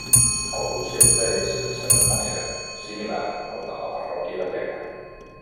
El concepte és en certa manera similar al de la parròquia gallega.